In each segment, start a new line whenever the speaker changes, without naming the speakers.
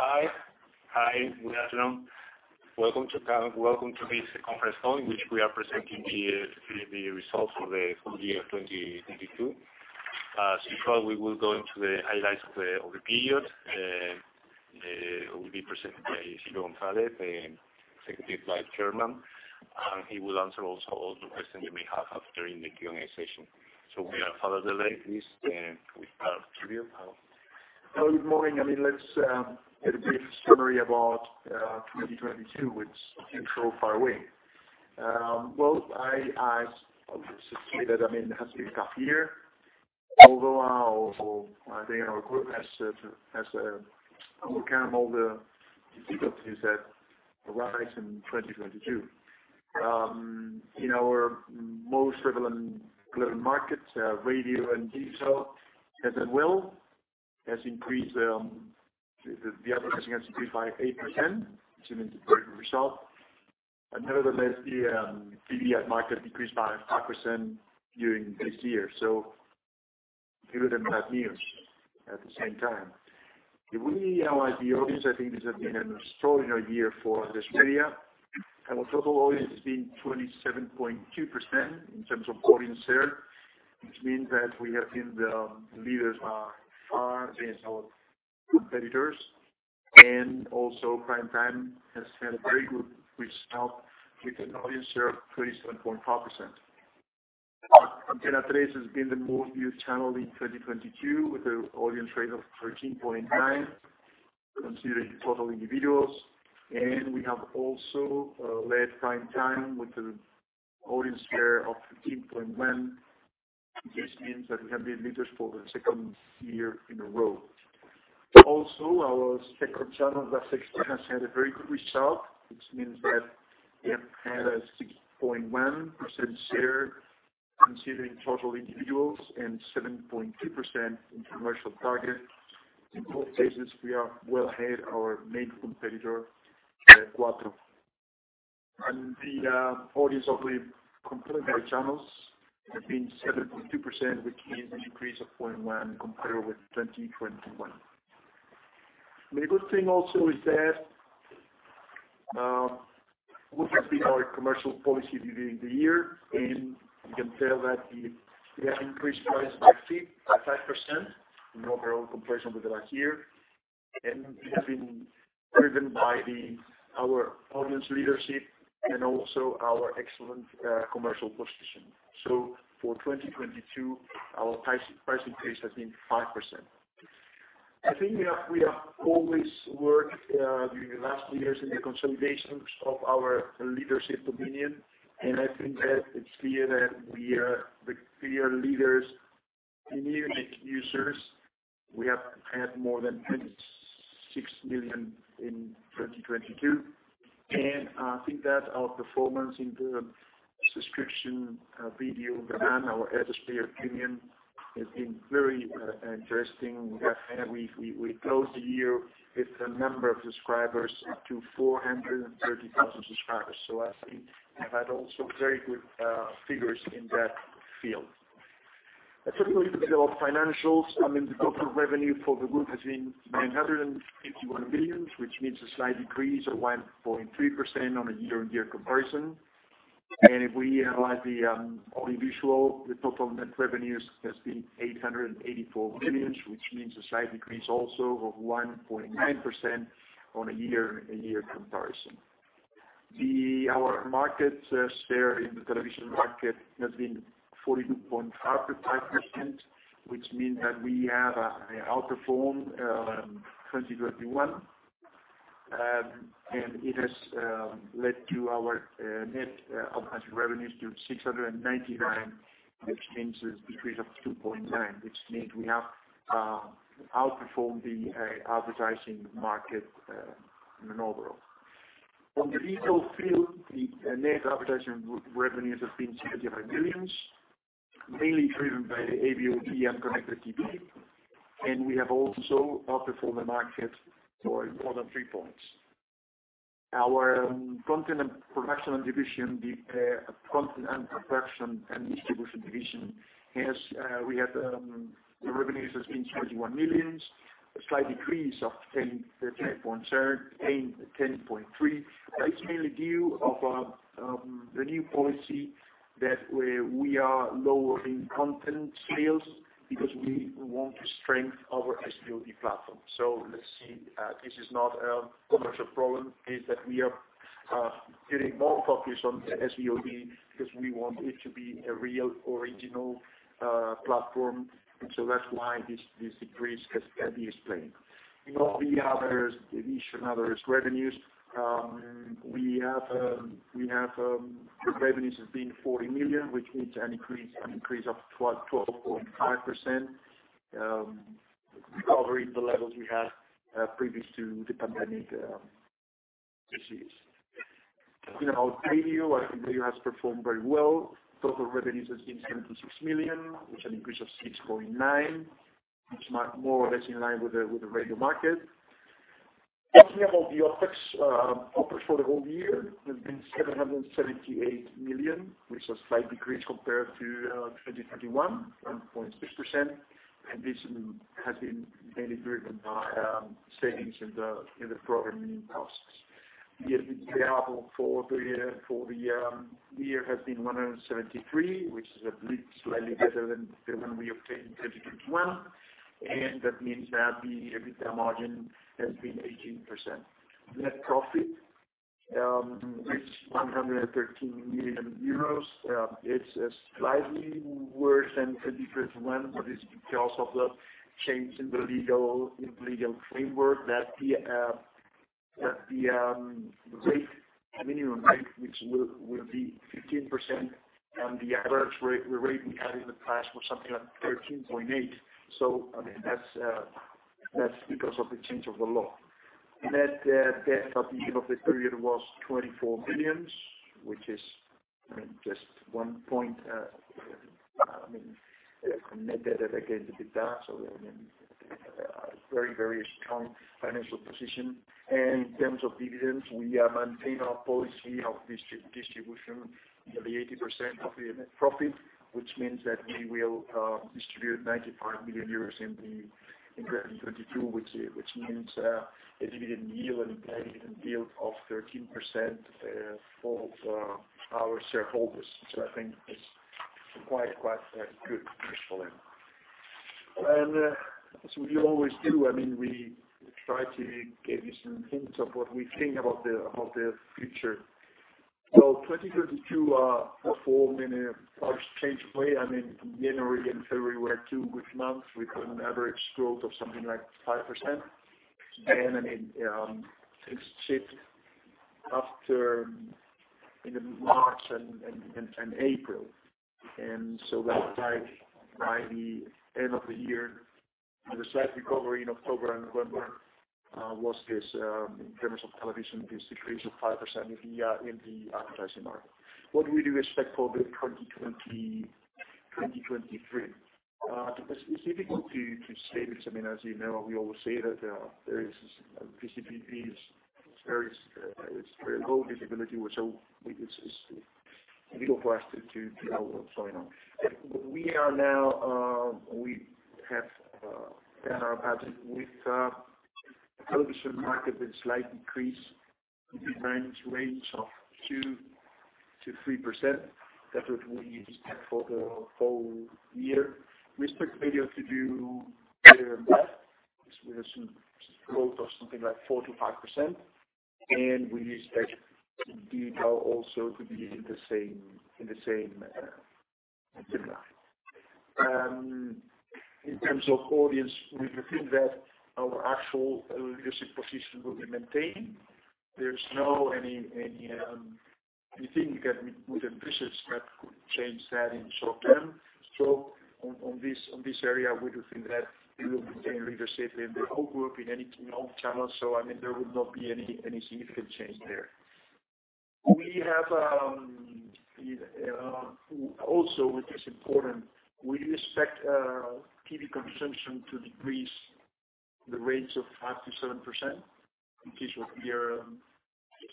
Hi. Good afternoon. Welcome to this conference call, in which we are presenting the results for the full year 2022. Probably we'll go into the highlights of the period. It will be presented by Silvio González, the Executive Vice Chairman. He will answer also all the questions you may have after in the Q&A session. Without further delay, please, we start with you, Silvio.
Well, good morning. I mean, let's get a brief summary about 2022, which isn't so far away. Well, I obviously say that, I mean, it has been a tough year. Although our, I think our group has overcome all the difficulties that arise in 2022. In our most relevant global markets, radio and digital, as it will, has increased, the advertising has increased by 8%, which is a great result. Nevertheless, the TV ad market decreased by 5% during this year. Good and bad news at the same time. If we analyze the audience, I think this has been an extraordinary year for this area. Our total audience has been 27.2% in terms of audience share, which means that we have been the leaders by far against our competitors. Also prime time has had a very good result with an audience share of 27.5%. Antena 3 has been the most viewed channel in 2022, with an audience rate of 13.9% considering total individuals. We have also led prime time with an audience share of 15.1%. This means that we have been leaders for the second year in a row. Also, our second channel, La Sexta, has had a very good result, which means that it had a 6.1% share considering total individuals and 7.2% in commercial target. In both cases, we are well ahead our main competitor, Cuatro. The audience of the complete channels have been 7.2%, which means an increase of 0.1% compared with 2021. The good thing also is that what has been our commercial policy during the year. You can tell that we have increased price by fee by 5% in overall comparison with last year. It has been driven by the, our audience leadership and also our excellent commercial position. For 2022, our price, pricing pace has been 5%. I think we have always worked during the last few years in the consolidations of our leadership dominion. I think that it's clear that we are the clear leaders in unique users. We have had more than 26 million in 2022. I think that our performance in the subscription video, ATRESplayer PREMIUM, has been very interesting. We closed the year with a number of subscribers up to 430,000 subscribers. I think we have had also very good figures in that field. Let's talk a little bit of financials. I mean, the total revenue for the group has been 951 million, which means a slight decrease of 1.3% on a year-on-year comparison. If we analyze the audiovisual, the total net revenues has been 884 million, which means a slight decrease also of 1.9% on a year-on-year comparison. Our market share in the television market has been 42.5%, which means that we have outperformed 2021. It has led to our net advertising revenues to 699, which means a decrease of 2.9%, which means we have outperformed the advertising market in an overall. On the digital field, the net advertising revenues have been 75 million, mainly driven by AVOD and Connected TV. We have also outperformed the market by more than three points. Our content and production division, the content and production and distribution division, the revenues has been 21 million, a slight decrease of 10.3%. That's mainly due of the new policy that we are lowering content sales because we want to strengthen our SVOD platform. Let's see, this is not a commercial problem, it's that we are getting more focused on SVOD because we want it to be a real original platform. That's why this decrease has been explained. In all the others divisions, others revenues, we have the revenues has been 40 million, which means an increase of 12.5%. Covering the levels we had previous to the pandemic disease. In our radio, our radio has performed very well. Total revenues has been 76 million, which is an increase of 6.9%. It's more or less in line with the, with the radio market. Talking about the OpEx for the whole year has been 778 million, which is a slight decrease compared to 2021, 1.6%. This has been mainly driven by savings in the programming costs. The ARPU for the year has been 173, which is a bit slightly better than what we obtained in 2021. That means that the EBITDA margin has been 18%. Net profit is EUR 113 million than 2021, but it's because of the change in the legal, in the legal framework that the rate, the minimum rate, which will be 15%, and the average rate we had in the past was something like 13.8%. I mean, that's because of the change of the law. Net debt at the end of the period was 24 million, which is, I mean, just one point, I mean, net debt against EBITDA. I mean, a very, very strong financial position In terms of dividends, we maintain our policy of distribution, nearly 80% of the net profit, which means that we will distribute 95 million euros in the, in 2022, which means a dividend yield, an implied dividend yield of 13% for our shareholders. I think it's quite good personally. As we always do, I mean, we try to give you some hints of what we think about the, about the future. 2022, performed in a large change way. I mean, January and February were two good months with an average growth of something like 5%. Things shift after in March and April. That's why by the end of the year, there was slight recovery in October and November, was this, in terms of television, this decrease of 5% in the advertising market. What do we respect for the 2020, 2023? It's difficult to say this. I mean, as you know, we always say that there is a very low visibility, which is difficult for us to know what's going on. We are now, we have done our budget with television market with slight increase between range of 2%-3%. That's what we expect for the whole year. We expect video to do better than that with a growth of something like 4%-5%. We expect digital also to be in the same similar. In terms of audience, we do think that our actual leadership position will be maintained. There's no any anything that we can envisage that could change that in short term. On this area, we do think that we will maintain leadership in the whole group, in all channels. I mean, there will not be any significant change there. We have also, which is important, we expect TV consumption to decrease in the range of 5%-7%. In case of here,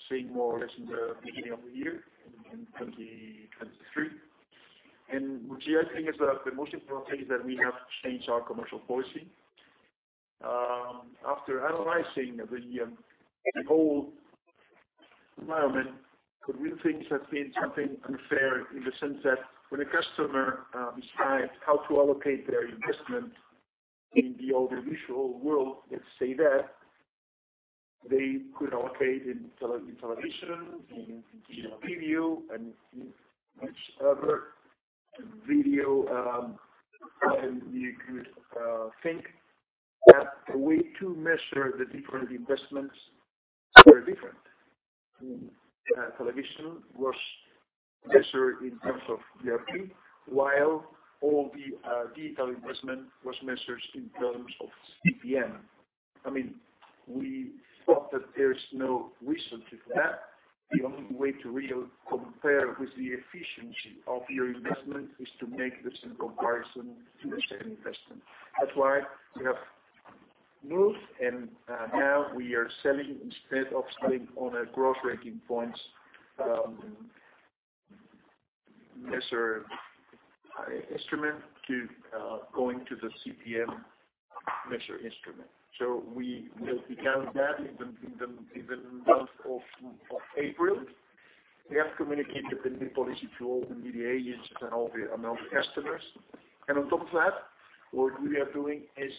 same more or less in the beginning of the year, in 2023. Which yeah I think is the most important thing is that we have changed our commercial policy. After analyzing the whole environment, because we think there's been something unfair in the sense that when a customer decides how to allocate their investment in the audiovisual world, let's say that, they could allocate in television, in linear TV and in whichever video you could think. That the way to measure the different investments are different. Television was measured in terms of GRP, while all the digital investment was measured in terms of CPM. I mean, we thought that there's no reason for that. The only way to real compare with the efficiency of your investment is to make the same comparison to the same investment. That's why we have moved, and now we are selling instead of selling on a Gross rating points measure instrument to going to the CPM measure instrument. We will begin that in the month of April. We have communicated the new policy to all the media agents and all the customers. On top of that, what we are doing is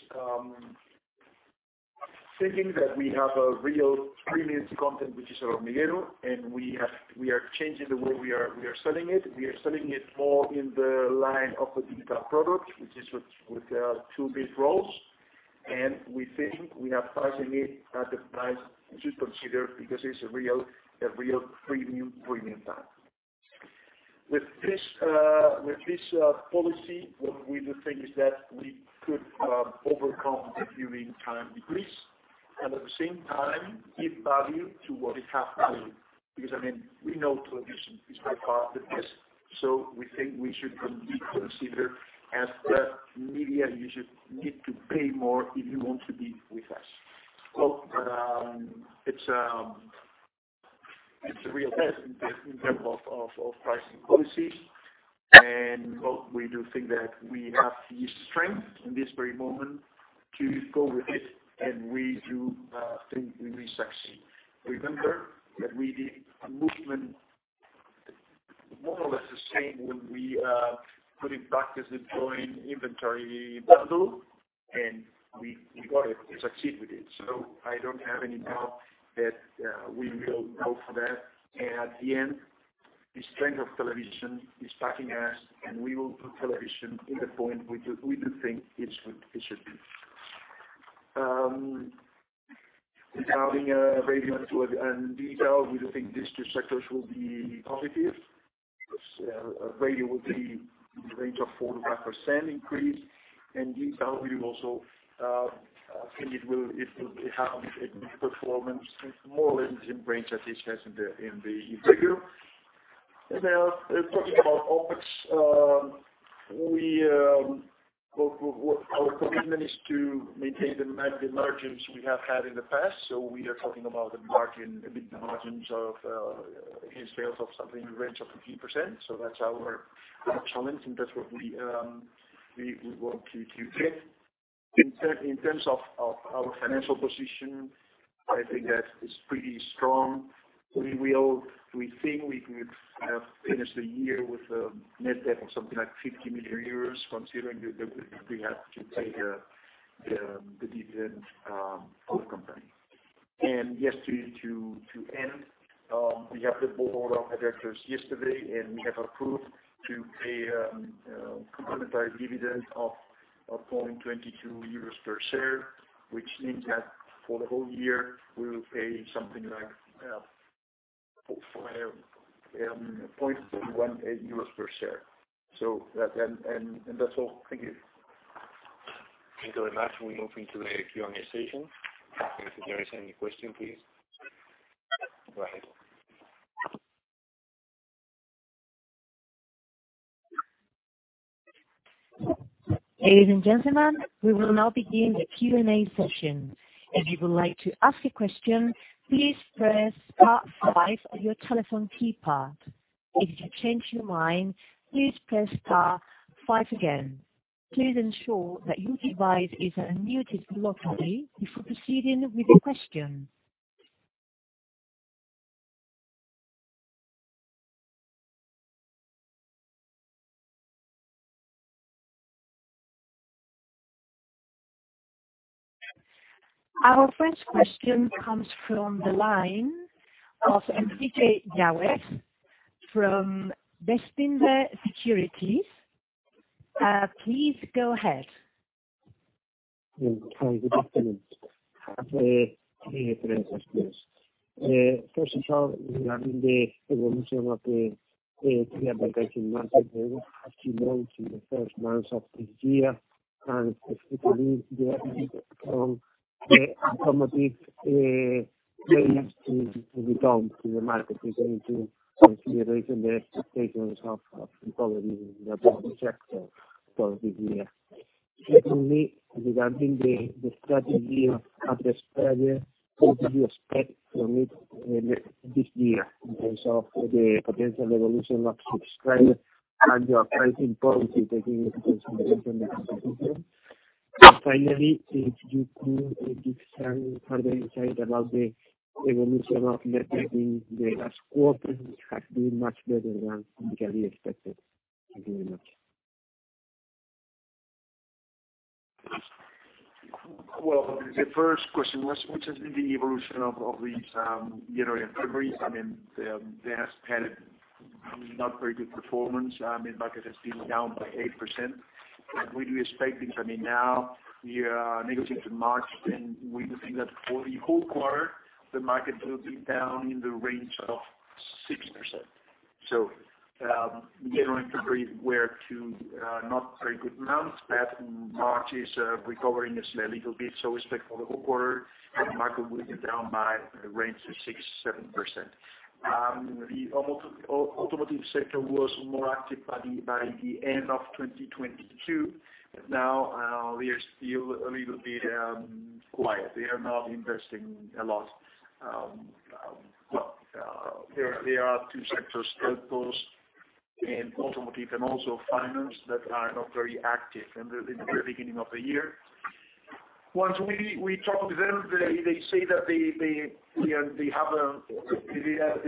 thinking that we have a real premium content, which is El Hormiguero, we are changing the way we are selling it. We are selling it more in the line of a digital product, which is with two big roles. We think we are pricing it at a price which is considered because it's a real premium product. With this, with this policy, what we do think is that we could overcome the viewing time decrease and at the same time give value to what it has to give. I mean, we know television is by far the best. We think we should be considered as that media you should need to pay more if you want to be with us. Well, it's a real test in terms of, of pricing policies. Well, we do think that we have the strength in this very moment to go with it, and we do think we will succeed. Remember that we did a movement more or less the same when we put in practice the joint inventory bundle, and we got it. We succeed with it. I don't have any doubt that we will go for that. At the end, the strength of television is backing us, and we will put television in the point we do, we do think it should, it should be. Regarding radio and detail, we do think these two sectors will be positive. Radio will be in the range of 40% increase. Detail, we will also think it will have a good performance more or less in range as it has in the group. Talking about OpEx, what our commitment is to maintain the margins we have had in the past. We are talking about the margins in sales of something in the range of 15%. That's our challenge, and that's what we want to get. In terms of our financial position, I think that is pretty strong. We think we could have finished the year with a net debt of something like 50 million euros considering that we have to pay the dividend of company. Yes, to end, we had the board of directors yesterday, and we have approved to pay a complimentary dividend of 0.22 euros per share, which means that for the whole year, we will pay something like 0.41 euros per share. That's. That's all. Thank you.
Thank you very much. We move into the Q&A session. If there is any question, please go ahead.
Ladies and gentlemen, we will now begin the Q&A session. If you would like to ask a question, please press star five on your telephone keypad. If you change your mind, please press star five again. Please ensure that your device is unmuted locally before proceeding with your question. Our first question comes from the line of Enrique Yáñez from Bestinver Securities. Please go ahead.
Hi. Good afternoon. I have three quick questions. First of all, regarding the evolution of the television market, how has been going through the first months of this year? Specifically regarding from the automotive delays to return to the market, are you going to raise the expectations of recovery in the automotive sector for this year. Secondly, regarding the strategy of the PREMIUM, what do you expect from it this year in terms of the potential evolution of subscribers and your pricing policy taking into consideration the competition. Finally, if you could give some further insight about the evolution of net adding in the last quarter, which has been much better than can be expected. Thank you very much.
Well, the first question was, which has been the evolution of these, January and February. I mean, they have had not very good performance. I mean, market has been down by 8%. We do expect it. I mean, now we are negative to March, and we do think that for the whole quarter, the market will be down in the range of 6%. January and February were two not very good months, but March is recovering a little bit. We expect for the whole quarter the market will be down by a range of 6%-7%. The automotive sector was more active by the end of 2022. Now, they are still a little bit quiet. They are not investing a lot. Well, there are two sectors, autos and automotive and also finance, that are not very active in the very beginning of the year. Once we talk to them, they say that they are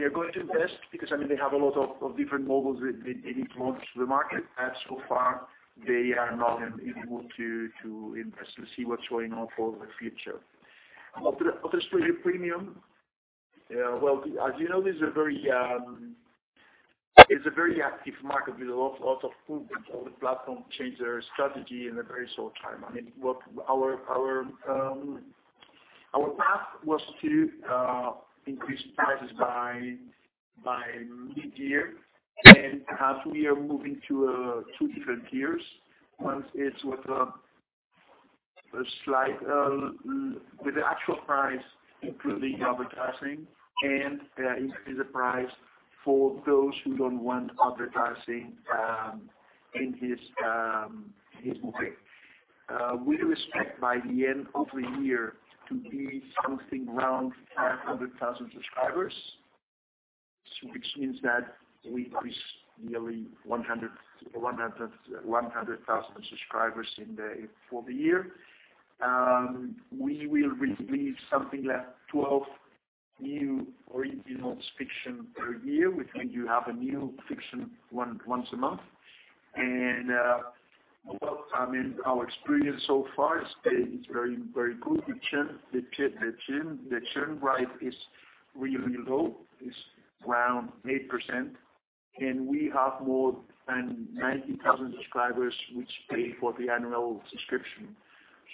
going to invest because, I mean, they have a lot of different models they need to launch to the market. So far they are not able to invest to see what's going on for the future. After the auto premium. Well, as you know, it's a very active market with a lot of movements. All the platforms change their strategy in a very short time. I mean, what our path was to increase prices by midyear. As we are moving to two different tiers, one is with the actual price including advertising and increase the price for those who don't want advertising in his movie. We do expect by the end of the year to be something around 500,000 subscribers. Which means that we increase nearly 100,000 subscribers for the year. We will release something like 12 new original fiction per year, which means you have a new fiction once a month. Well, I mean, our experience so far is very, very good. The churn rate is really low, it's around 8%, and we have more than 90,000 subscribers which pay for the annual subscription.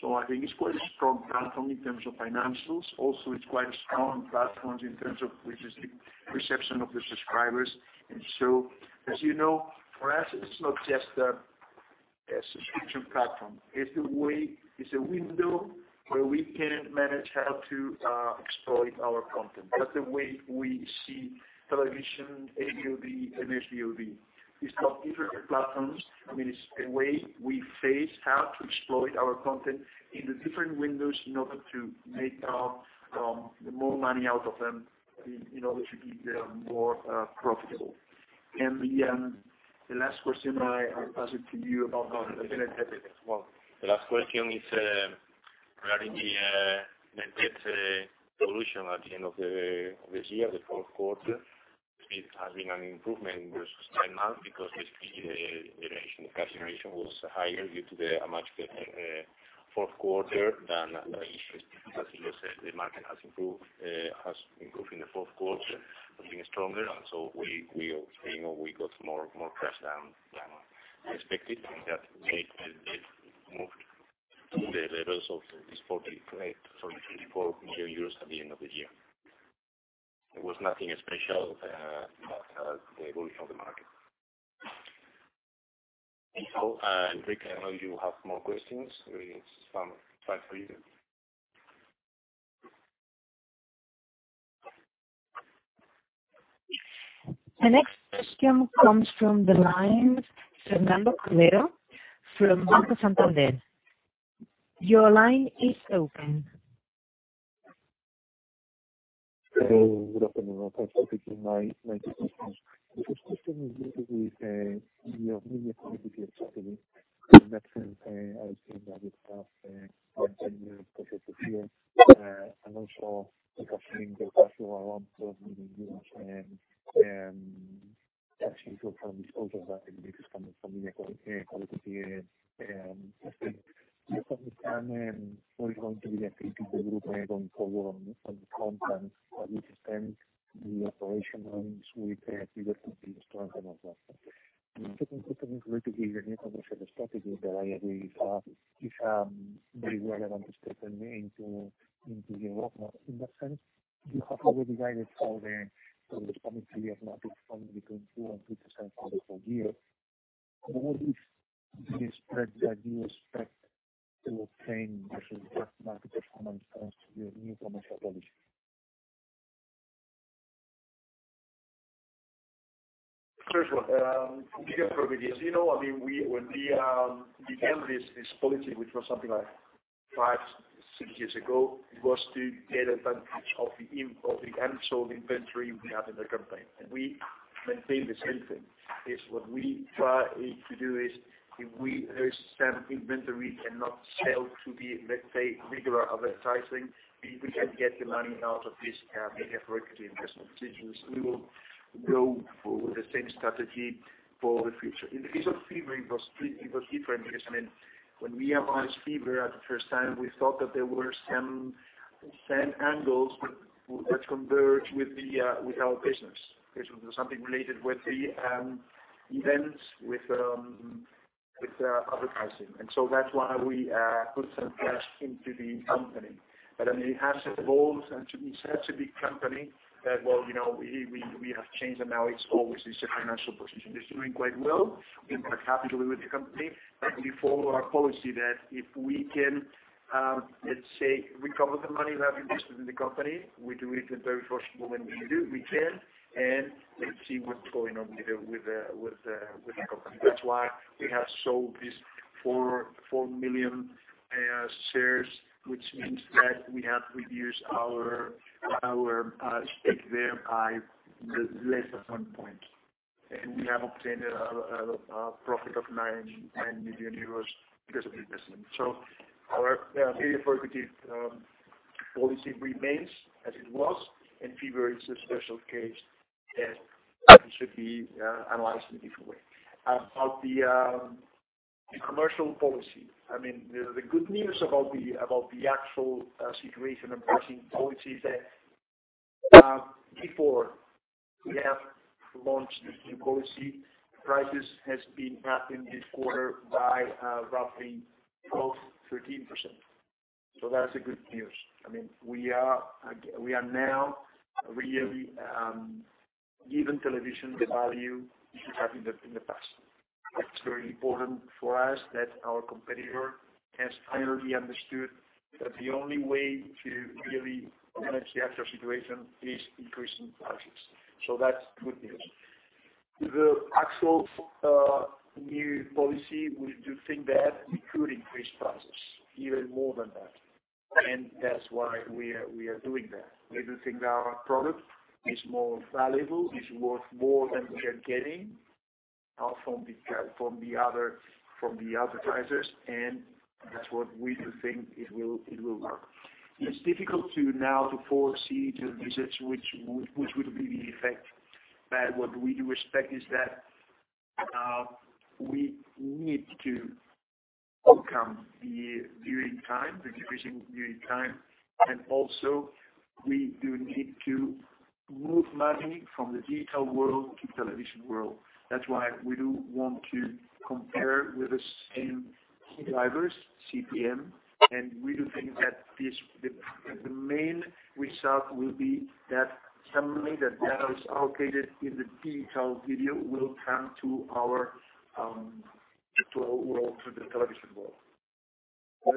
I think it's quite a strong platform in terms of financials. Also, it's quite a strong platform in terms of which is the reception of the subscribers. As you know, for us, it's not just a subscription platform. It's a window where we can manage how to exploit our content. That's the way we see television, AVOD and SVOD. It's not different platforms. I mean, it's a way we face how to exploit our content in the different windows in order to make more money out of them in order to be more profitable. The last question, I pass it to you about net debt as well.
The last question is regarding the net debt solution at the end of this year, the fourth quarter. It has been an improvement versus nine months because basically the cash generation was higher due to the much fourth quarter than as you said, the market has improved, has improved in the fourth quarter, has been stronger. We, you know, we got more cash than expected, and that made the debt move to the levels of this 48 million euros, sorry, EUR 34 million at the end of the year. It was nothing special, but the evolution of the market. If so, Enrique, I know you have more questions. There is some time for you.
The next question comes from the line Fernando Cordero from Banco Santander. Your line is open.
Hey, good afternoon. Thanks for taking my two questions. The first question is related with your media connectivity activity. In that sense, I've seen that you have EUR 10 million profit this year. Also you have seen the cash flow around EUR 12 million and actually good from this over that this coming from media quality testing. Do you have any plan
you know, I mean, when we began this policy, which was something like five, six years ago, it was to get advantage of the unsold inventory we had in the company. We maintain the same thing. It's what we try to do is if we have some inventory cannot sell to the, let's say, regular advertising, we can get the money out of this media equity investment decisions. We will go for the same strategy for the future. In the case of Fever, it was different because, I mean, when we analyzed Fever at the first time, we thought that there were some angles which converge with our business. This was something related with the events with advertising. That's why we put some cash into the company. I mean, it has evolved into be such a big company that we have changed and now it's always it's a financial position. It's doing quite well. We are quite happy to be with the company. We follow our policy that if we can, let's say recover the money that we invested in the company, we do it the very first moment we can and let's see what's going on with the company. That's why we have sold these 4 million shares, which means that we have reduced our stake there by less of one point. We have obtained a profit of 9 million euros because of the investment. Our media equity policy remains as it was. Fever is a special case that should be analyzed in a different way. About the commercial policy. I mean, the good news about the about the actual situation and pricing policy is that before we have launched the new policy, prices has been up in this quarter by roughly 12%, 13%. That's the good news. I mean, we are now really giving television the value it should have in the past. That's very important for us that our competitor has finally understood that the only way to really manage the actual situation is increasing prices. That's good news. The actual new policy, we do think that we could increase prices even more than that. That's why we are doing that. We do think our product is more valuable, is worth more than we are getting from the advertisers, that's what we do think it will work. It's difficult to now to foresee the visits which would be the effect. What we do expect is that we need to overcome the viewing time, the decreasing viewing time. Also we do need to move money from the digital world to television world. That's why we do want to compare with the same key drivers, CPM, we do think that the main result will be that some money that is allocated in the digital video will come to our world, to the television world.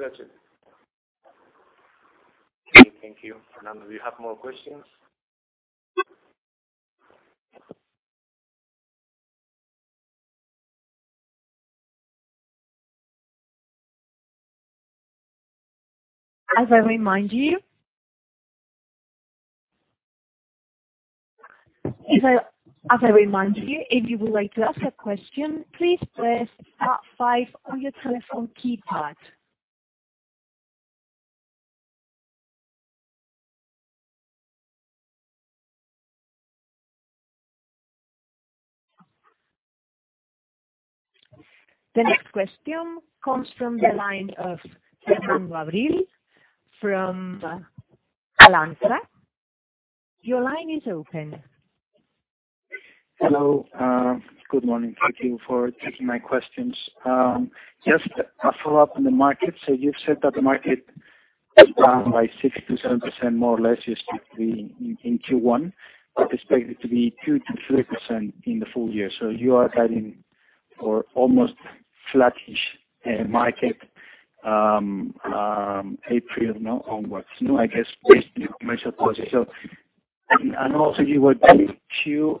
That's it.
Okay, thank you. Fernando, do you have more questions?
As I remind you, if you would like to ask a question, please press star five on your telephone keypad. The next question comes from the line of Fernando Abril-Martorell from Alantra. Your line is open.
Hello. Good morning. Thank you for taking my questions. Just a follow-up on the market. You've said that the market is down by 60%-70% more or less year-to-date in Q1, but expect it to be 2%-3% in the full year. You are guiding for almost flattish market April onwards. I guess based on your commercial policy. Also you were guiding to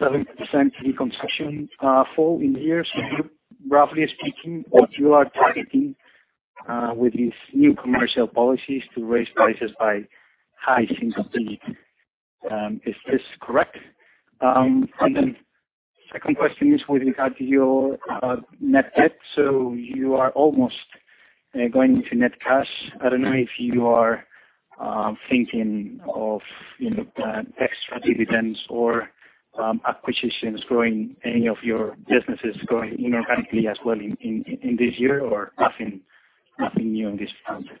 7% deconstruction fall in the year. Roughly speaking, what you are targeting with these new commercial policies to raise prices by high single digit. Is this correct? Second question is with regard to your net debt. You are almost going to net cash. I don't know if you are thinking of, you know, extra dividends or acquisitions growing any of your businesses growing inorganically as well in this year or nothing new on this front. Thank you.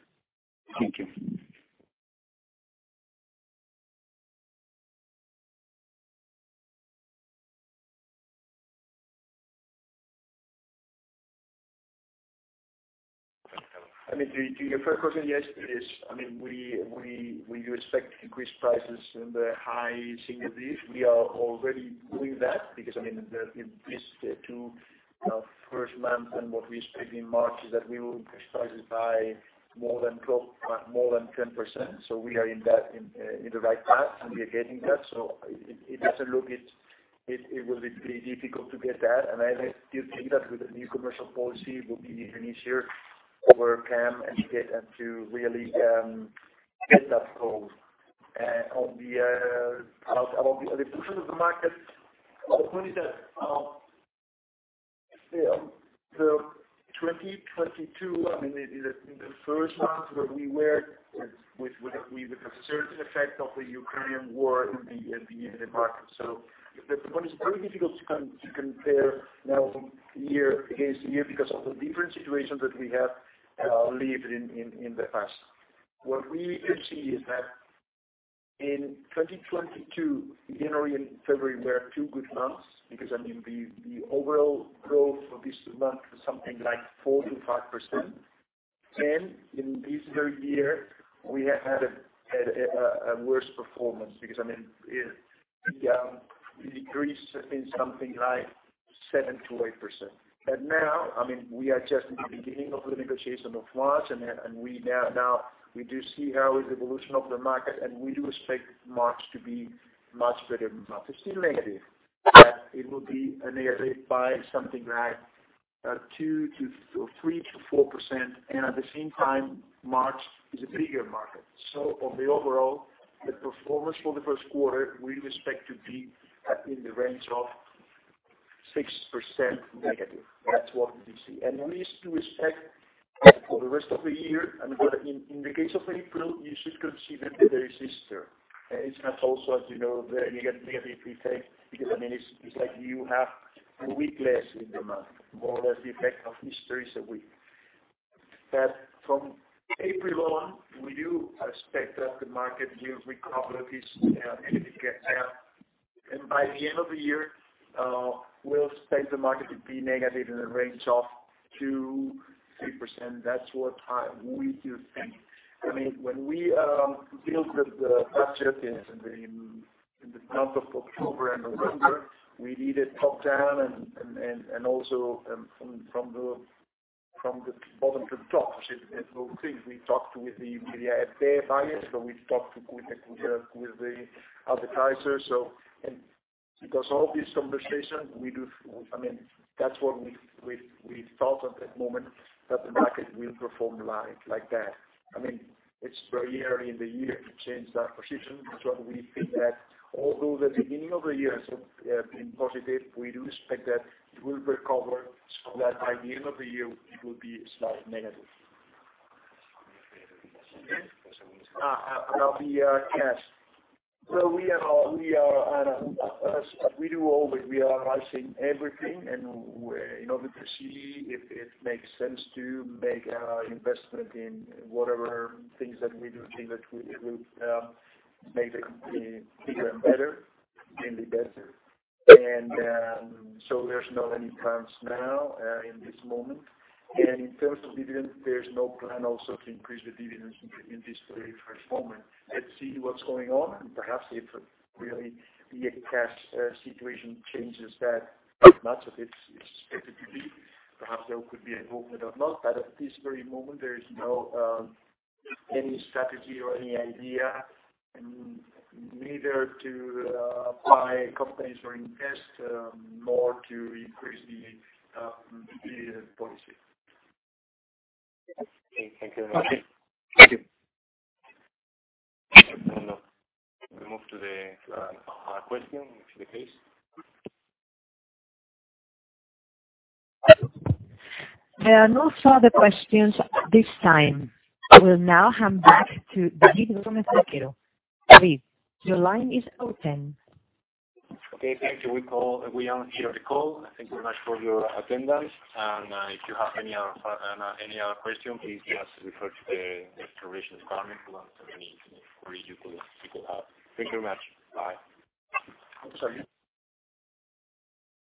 I mean, to your first question, yes, it is. I mean, we do expect increased prices in the high single digits. We are already doing that because, I mean, the increased two first month and what we expect in March is that we will increase prices by more than 10%. We are in that, in the right path, and we are getting that. It doesn't look it will be difficult to get that. I do think that with the new commercial policy will be even easier overcome and to get, and to really get that goal. Uh, on the, uh, about, about the evolution of the market, uh, 27, um, the, the 2022, I mean, in the, in the first months where we were with, with, with a certain effect of the Ukrainian war in the, in the, in the market. So the point is very difficult to com- to compare now from year against year because of the different situations that we have, uh, lived in, in, in the past. What we do see is that in twenty-twenty two, January and February were two good months because, I mean, the, the overall growth for these two months was something like four to five percent. And in this very year, we have had a, had a, a worse performance because, I mean, uh, we, um, we decreased in something like seven to eight percent. I mean, we are just in the beginning of the negotiation of March, we now do see how is evolution of the market, and we do expect March to be much better than March. It's still negative, but it will be ameliorated by something like 2% to or 3% to 4%. At the same time, March is a bigger market. On the overall, the performance for the first quarter, we expect to be at in the range of 6% negative. That's what we see. We do expect for the rest of the year. I mean, in the case of April, you should consider Easter. It's not also, as you know, the negative effect because, I mean, it's like you have a week less in the month, more or less the effect of Easter is a week. From April on, we do expect that the market do recover this, and it gets. By the end of the year, we'll expect the market to be negative in a range of 2%-3%. That's what time we do think. I mean, when we deal with the budget in the month of October and November, we need it top down and also from the bottom to the top. It's both things. We talked with the media and their buyers, so we've talked with the advertisers. Because all these conversations we do, I mean, that's what we thought at that moment that the market will perform like that. I mean, it's very early in the year to change that position. We think that although the beginning of the year has been positive, we do expect that it will recover so that by the end of the year it will be a slight negative. About the, yes. We are. As we do always, we are analyzing everything in order to see if it makes sense to make investment in whatever things that we do think that it would make the company bigger and better, can be better. There's not any plans now in this moment. In terms of dividend, there's no plan also to increase the dividends in this very first moment. Let's see what's going on, and perhaps if really the cash situation changes that much of it's expected to be, perhaps there could be a movement or not. At this very moment, there is no any strategy or any idea neither to apply companies or invest more to increase the dividend policy.
Okay. Thank you very much.
Okay. Thank you.
We move to the question if the case.
There are no further questions at this time. I will now hand back to David from Atresmedia. David, your line is open.
Okay, thank you. We end here the call. Thank you very much for your attendance. If you have any other any other questions, please just refer to the exploration department to answer any queries you could have. Thank you very much. Bye.
Thank you.